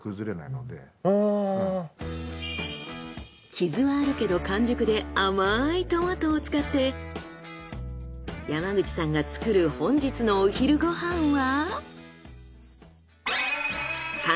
傷はあるけど完熟で甘いトマトを使って山口さんが作る本日のお昼ご飯は。